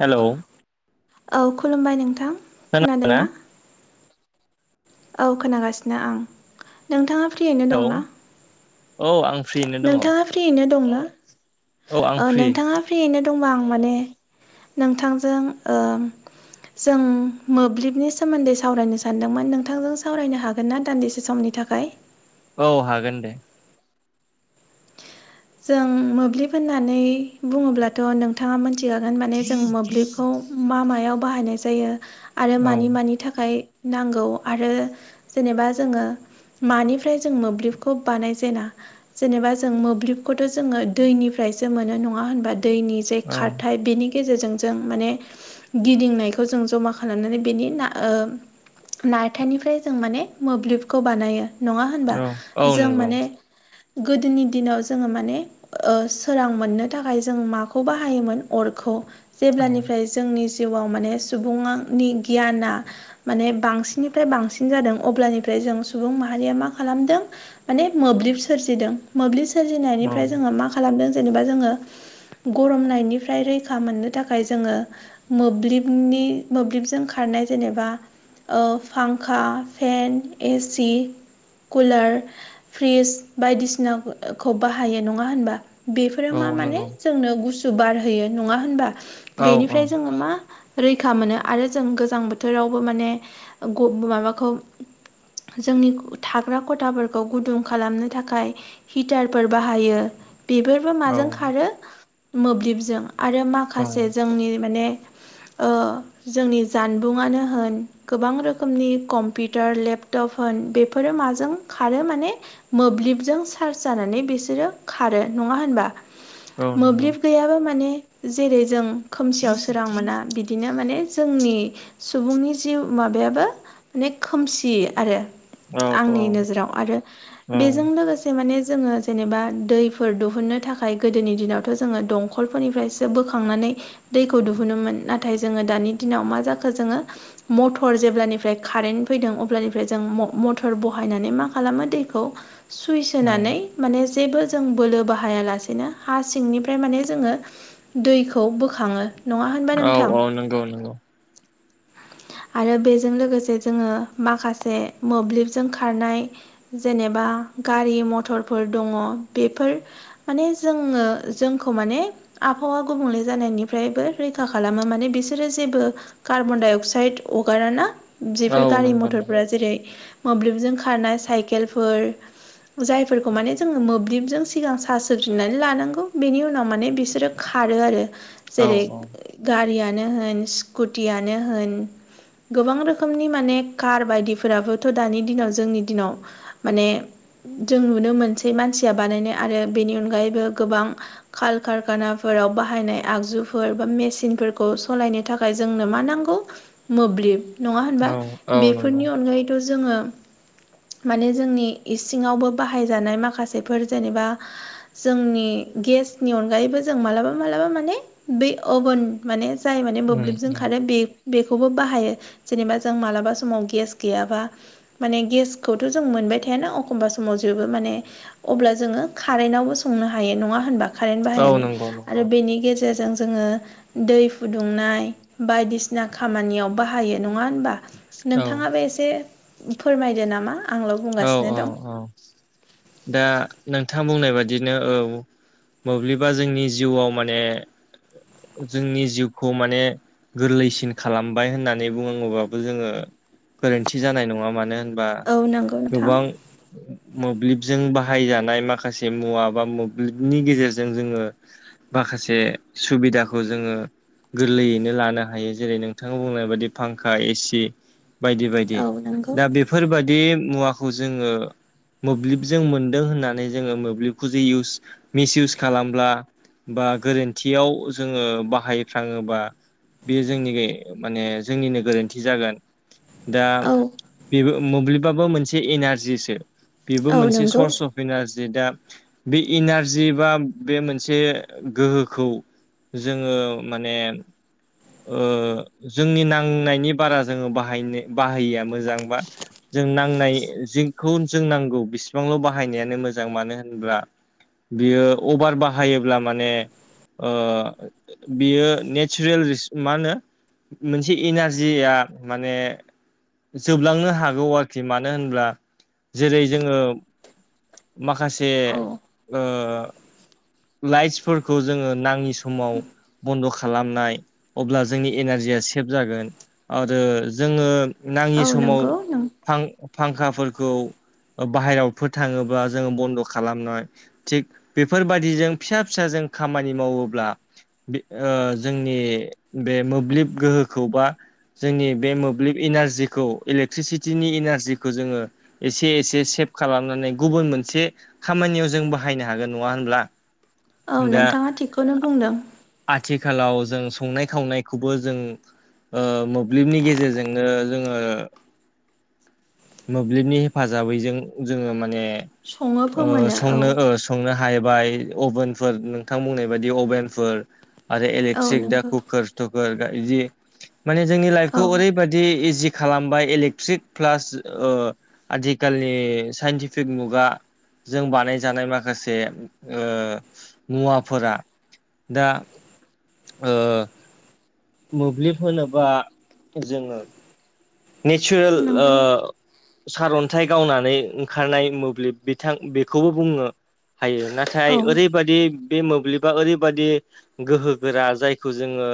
Hello औ खुलुमबाय नोंथां खोनादों खोनादोंना ना? औ खोनागासिनो आं नोंथांङा फ्रियैनो औ दंना? औ आं फ्रियैनो दंङ। नोंथाङा फ्रियैनो दंना? ओ फ्रि नोंथांङा फ्रियैनो दंबा आं माने नोंथांजों ओ जों मोब्लिबनि सोमोन्दै सावरायनो सानदोंमोन नोंथांजों सावरायनो हाग गोन ना दान्दिसे समनि थाखाय औ हागोन दे। जों मोब्लिब होननानै बुंङोब्लाथ नोंथांङा मोनथिखागोन माने जों मोब्लिबखौ मा मायाव बाहायनाय जायो आरो औ मानि मानि थाखाय नांगौ आरो जेनेबा जोंङो मानिफ्राय जों मोब्लिबखौ बानायजेना जेनेबा जों मोब्लिब खौथ जोंङो दैनिफ्रायसो मोनो नंङा होनबा? दैनि जे औ खारथाय बेनि गेजेरजों जों माने गिदिंनायखौ जों जमा खालामनानै बेनि ना ओ नारथायनिफ्राय जों माने मोब्लिबखौ बानायो। नंङा होनबा औ औ जों नंगौ माने गोदोनि दिनाव जोंङो माने सोरां ओ मोननो थाखाय जों माखौ बाहायोमोन अरखौ औ जेब्लानिफ्राय जोंनि जिउआव माने सुबुंयानि गियाना माने बांसिननिफ्राय बांसिन जादों अब्लानिफ्राय जों सुबुं माहारिया मा खालामदों माने मोब्लिब सोरजिदों मोब्लिब सोरजिनायनिफ्राय औ जोंङो मा खालामदों जेनेबा जोंङो गरमनायनिफ्राय रैखा मोननो थाखाय जोंङो मोब्लिबनि मोब्लिबजों खारनाय जेनेबा ओ फांखा, फेन, एसि कुलार, फ्रिज बायदिसिना खौ बाहायो नंङा होनबा? बेफोरो औ मा माने नंगौ जोंनो गुस उ बार होयो नंङा होनबा औ औ बेनिफ्राय जोंङो मा रैखा मोनो आरो जों गोजां बोथोरावबो माने ग माबाखौ जोंनि थाग्रा खथाफोरखौ गुदुं खालामनो थाखाय हिटारफोर बाहायो बेफोरबो औ माजों खारो मोब्लिबजों आरो मा औ खासे जोंनि माने ओ जोंनि जानबुं आनो होन गोबां रोखोमनि कम्पिउटार, लेपटप होन बेफोरो माजों खारो माने मोब्लिबजों चार्ज जानानै बिसोरो खारो नंङा होनबा? औ नंगौ मोब्लिब गैयाबो माने जेरै जों खोमसियाव सोरां मोना बिद बिनो माने जोंनि सुबुंनि जिउ माबायाबो ने खोमसि आरो औ आंनि नोजोराव आरो बेजों लोग माने जोंङो जेनेबा दैफोर दिहुननो थाखाय गोदोनि दिनावथ जोंङो दं नखल फोरनिफ्रायसो बोखांनानै दैखौ दुहुनोमोन नाथाय जोंङो दानि दिनाव मा जाखो जोंङो मटर जेब्लानिफ्राय कारेन्ट फैदों अब्लानिफ्राय जों म-मटर बहायनानै मा खालामो दैखौ सुइस होनानै माने जेबो जों बोलो बाहाया लासेनो हा सिंनिफ्राय माने जोङो दैखौ बोखांङो नंङा होनबा नोंथां? नोंगौ नोंगौ। आरो बेजों लोगोसे जोङो माखासे मोब्लिबजों खारनाय जेनेबा गारि मथरफोर दङ' बेफोर माने जोङो जोंखौ माने आबहावा गुबुंले जानायनिफ्रायबो रैखा खालामो माने बिसोरो जेबो कार्बन डाइ अक्साइद अगाराना औ जेफोर गारि नंगौ नंगौ मथरफोरा जेरै मोब्लिबजों खारनाय साइकेलफोर जायफोरखौ माने जोङो मोब्लिबजों सिगां सार्ज होफिन नानै लानांगौ बेनि उनाव माने बिसोरो खारो आरो औ जेरै गारियानो होन स्कु टियानो होन। गोबां रोखोमनि माने कार बायदि फोराबोथ' दानि दिनाव जोंनि दिनाव माने जों नुनो मोनसै मानसिया बानायनाय आरो बेनि अनगायैबो गोबां काल कारखाना फोराव बाहायनाय आगजुफोर बा मेचिन फोरखौ सालायनो थाखाय थाखाय जोंनो मा नांगौ मोब्लिब नङा होनबा? औ औ नंगौ बेफोरनि अनगायै थ' जोङो माने जोंनि इसिङावबो बाहायजानाय माखासेफोर जेनेबा जोंनि गेसनि अनगायैबो जों मालाबा मालाबा माने बै अभन माने जाय माने उम मोब्लिबजों उम खारो बे खौबो बाहायो जेनेबा जों मालाबा समाव गेस गैयाबा माने गेसखौथ' जों मोनबाय थायाना अखमबा समाव जेबो माने अब्ला जोङो कारेन्टावबो संनो हायो नङा होनबा? कारेन्ट औ बाहायनानै नंगौ नंगौ आरो बेनि गेजेरजों जोङो दै फुदुंनाय बायदिसिना खामानियाव बाहायो नङा होनबा? औ नोंथाङाबो एसे फोरमायदो नामा आंल' बुंगासिनो दं। अ। दा नोंथाङा बुंनाय बादिनो औ। मोब्लिबा जोंनि जिउआव माने जोंनि जिउखौ माने गोरलैसिन खालामबाय होननानै बुंङो बाबो जोङो गोरोन्थि जानाय नङा मानो होनबा औ नोंग गोबां [inaudible] मोब्लिबजों बाहाय जानाय माखासे मुवा बा मोब्लिब नि गेजेरजों जोङो माखासे सुबिदाखौ जोङो गोरलैयैनो लानो हायो जेरै नोंथाङा बुंनाय बादि फांखा ए सि। बायदि बायदि औ नंगौ दा बेफोरबादि मुवाखौ जोङो मोब्लिबजों मोन्दों होननानै जोङो मोब्लिबखौ जे इउस मिस इउस खालामब्ला बा गोरोन्थियाव जोङो बाहाय फ्राङोबा बेयो जोंनि गे माने जोंनिनो गोरोन्थि जागोन। दा औ बेबो मोब्लिबाबो मोनसे एनारजिसो बेबो औ मोनसे नंगौ सर्स अफ इनारजि दा बे इनारजि बा बे मोनसे गोहोखौ जोङो माने ओ जोंनि नां नायनि बारा जोङो बाहायनो बाहायिया मोजां बा जों नांनाय जि खौ जों नांगौ बेसेबांल' बाहायनायानो मोजां मानो होनब्ला बियो अभार बाहायोब्ला माने ओ बियो नेसुरेल रिस मा होनो? मोनसे एनारजि आ माने जोबलांनो हा गौ आरखि मानो होनब्ला जेरै जोङो माखासे औ ओ लाइट्स फोरखौ जोङो नाङि सम समाव बन्द' खालामनाय। अब्ला जोंनि एनारजिया सेभ जागोन आरो जोङो नाङि औ समाव नंगौ फां फांखा फोरखौ बाहेराव फोर थाङोब्ला जोङो बन्द' खालामनाय। थिग बेफोरबादि जों फिसा फिसाजों जों खामानि मावोब्ला बि ओ जोंनि बे मोब्लिब गोहोखौ बा जोंनि बे मोब्लिब इनारजिखौ इलेक्ट्रिसिटिनि इनारजिखौ जोङो एसे एसे सेभ खालामनानै गुबुन मोनसे खामानियाव जों बाहायनो हागोन नङा होनब्ला? औ दा नोंथाङा थिगखौनो बुंदों। आथिखालाव जों संनाय खावनायखौबो जों ओ मोब्लिबनि गेजेरजोंनो जोङो मोब्लिबनि हेफाजाबैजों जोङो माने सङो ओ फोमोनो औ संनो ओ संनो हाहैबाय अभेनफोर नोंथां बुंनाय बायदि अभेनफोर आरो औ इलेकट्रिक दा नंगौ कुकोर थुकोर बिदि माने जोंनि लाइफखौ औ ओरै बायदि इजि खालामबाय इलेक्ट्रिक प्लास ओ आथिखालनि साइन्टि फिक मुगा जों बानाय जानाय माखासे ओ मुवाफोरा दा ओ मोब्लिब होनोबा जोङो नेचुरेल ओ नंगौ सारन्थाइ गावनानै ओंखारनाय मोब्लिब बिथां बेखौबो बुङो हायो ना। थाय औ ओरैबादि बे मोब्लिबा ओरैबादि गोहोगोरा जायखौ जोङो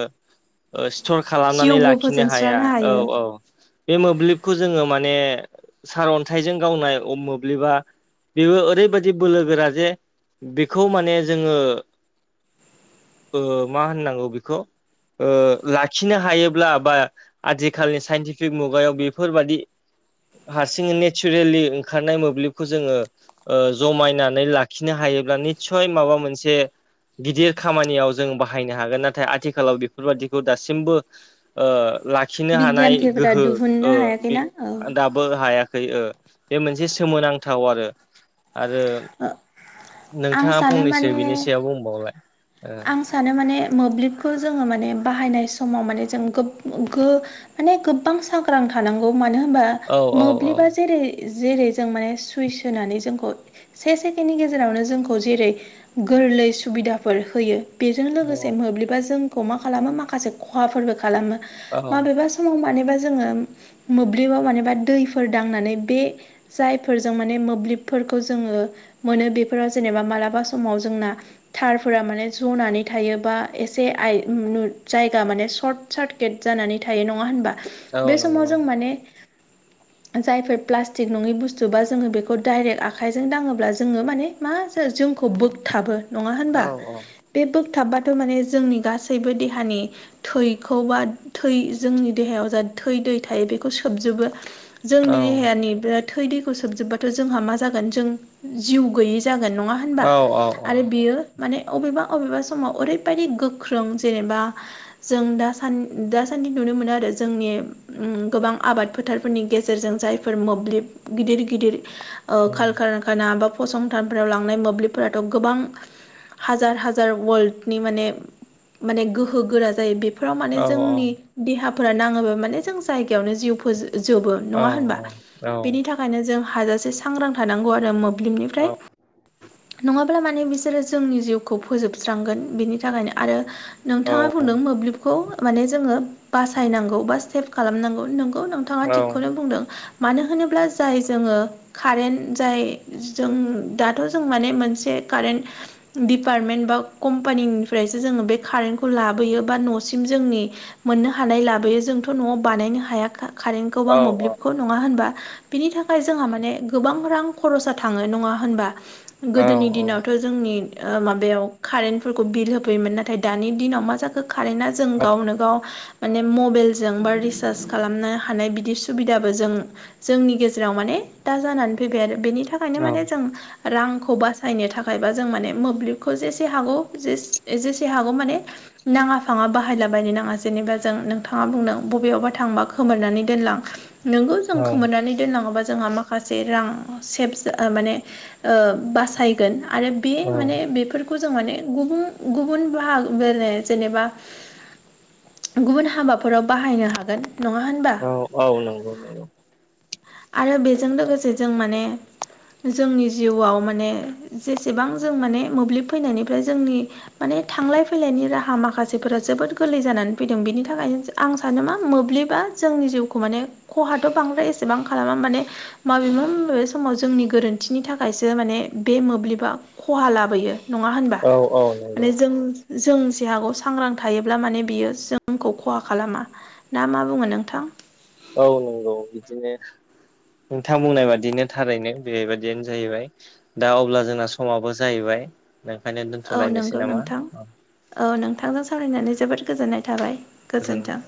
ओ स्टर खालामनानै जिउबो लाखिनो हाया फोजोंस्रानो औ हायो औ। बे मोब्लिबखौ जोङो माने सारअन्थाइजों गावनाय अ मोब्लिबा बेबो ओरैबादि बोलो गोरा जे बेखौ माने जोङो ओ मा होननांगौ बेखौ ओ लाखिनो हायोब्ला बा आथिखालनि साइनटि [unintelligible] मुगायाव बेफोर बादि हारसिङै नेचारेलि ओंखारनाय मोब्लिबखौ जोङो ओ जमायनानै लाखिनो हायोब्ला निस्सय माबा मोनसे गिदिर खामानियाव जों बाहायनो हागोन। नाथाय आथिखालाव बेफोरबादिखौ दासिमबो ओ लाखिनो हानाय बिगियानखिफोरा गोहो दिहुननो ओ बे हायाखैना आन्दा दाबो हायाखै ओ बे मोनसे सोमोनांथाव आरो आरो औ आं नोंथाङा सानो फंनैसो बिनि माने सायाव बुंबावलाय ओ आं सानो माने मोब्लिबखौ जोङो माने बाहायनाय समाव माने जों गोब गो माने गोबबां सांग्रां थानांगौ मानो होनबा ओ औ औ मोब्लिबा जेरै जेरै जों माने सुइस होनानै जोंखौ से सेकेण्डनि गेजेरावनो जोंखौ जेरै गोरलै सुबिदाफोर होयो बेजों लोगोसे मोब्लिबा जोंखौ मा खालामो माखासे खहाफोरबो खालामो। औ औ माबेबा समाव मानेबा जोङो मोब्लिबाव मानेबा दैफोर दांनानै बे जायफोरजों माने मोब्लिबफोरखौ जोङो मोनो बेफोराव जेनेबा मालाबा समाव जोंना थारफोरा माने ज'नानै थायो बा एसे आइ नु जायगा माने सर्ट सार्किट जानानै थायो नङा होनबा? औ बे समाव नंगौ जों माने जायफोर प्लास्टिक नङै बुस्थु बा जोङो बेखौ डाइरेक्ट आखाइजों दाङोब्ला जोङो माने मा जो-जोंखौ बोगथाबो नङा औ होनबा? बे बोगथाबाथ' माने जोंनि गासैबो देहानि थैखौ बा थै जोंनि देहायाव जा थै दै थायो बेखौ सोबजोबो। जोंनि देहायानि बिराद थै दैखौ सोबजोब्बाथ' जोंहा मा जागोन जों जिउ गैयि जागोन नङा औ होनबा आरो बियो माने अबेबा अबेबा समाव ओरैबायदि गोख्रों जेनेबा जों दासान दासान्दि नुनो मोनो आरो जोंनि उम गोबां आबाद फोथारफोरनि गेजेरजों जायफोर मोब्लिब गिदिर गिदिर ओ काल कारखाना बा फसंथानफोराव लांनाय मोब्लिबफोराथ' गोबां हाजार हा जार वाल्दनि माने माने गोहो गोरा जायो। बेफोराव माने जोंनि देहाफोरा नाङोबा माने जों जायगायावनो जिउ फोजो जोबो नङा होनबा बेनि था [unintelligible] जों हाजासे सांग्रां थानांगौ आरो मोब्लिबनिफ्राय नङा ब्ला माने बिसोर जोंनि जिउखौ फोजोबस्रांगोन बिनि थाखायनो आरो नोंथाङा दों मोब्लिबखौ माने जोङो बासायनांगौ बा सेब खालामनांगौ नंगौ नों थाङा थिगखौनो बुंदों मानो होनोब्ला जाय जोङो कारेन्ट जाय जों दाथ' जों माने मोनसे कारेन्ट दिप दिडिपार्टमेन्ट बा कम्पानिनिफ्रायसो जोङो बे कारेन्टखौ लाबोयो बा न'सिम जोंनि मोननो हानाय लाबोयो जोंथ' न'आव बानायनो हाया का-कारेन्टखौ बा औ मोब्लिबखौ। नङा होनबा बिनि थाखाय जोंहा माने गोबां रां खरसा थाङो नङा होनबा। गोदोनि दिनावथ' जोंनि ओ माबायाव कारेन्टफोरखौ बिल होफैयोमोन। नाथाय दानि दिनाव मा जाख खारेना जों गावनो गाव माने मबेलजों बा रिसार्ज खालामनो हानाय बिदि सुबिदाबो जों जोंनि गेजेराव माने दा जानानै फैबाय आरो बेनि था खायनो माने जों रांखौ बासायनो थाखाय बा जों माने मोब्लिबखौ जेसे हागौ जेस जेसे हागौ माने नाङा फाङा बाहायला बायनो नाङा जेनेबा जों नोंथाङा बुंदों बबेयावबा थांबा खोमोरनानै दोनलां। नोंगौ जों खोमोरनानै दोनलाङोबा जोंहा मा माखासे रां सेब माने ओ बासायगोन आरो बे माने बे फोरफोरखौ जों माने गुबुन गुबुन बाहाग [unintelligible] जेनेबा गुबुन हाबाफोराव बाहायनो हागोन नङा होन औ औ नंगौ नंगौ। आरो बेजों लोगोसे जों माने जोंनि जिउआव माने जेसेबां जों माने मोब्लिब फैनायनिफ्राय जोंनि माने थांलाय फैलायनि राहा माखासेफोरा जोबोद गोरलै जानानै फैदों बेनि थाखायनो आं सानो मा मोब्लिबा जोंनि जिउखौ माने खहाथ' बांद्राय एसेबां खालामा माने माबेबा माबेबा समाव जोंनि गोरोन्थिनि थाखायसो माने बे मोब्लिबा खहा लाबोयो नङा होनबा औ औ माने नंगौ औ जों जों जे हागौ सांग्रां थायोब्ला माने बियो जोंखौ खहा खालामा। ना मा बुङो नोंथां। औ नंगौ बिदिनो नोंथां बुंनाय बादिनो थारैनो बेबायदियानो जाहैबाय। दा अब्ला जोंना समाबो जाहैबाय ओंखायनो औ दोन्थ'लायनोसै नंगौ नामा। नोंथां औ नोंथांजों सावरायनानै जोबोद गोजोननाय थाबाय। गोजोन गोजोन्थों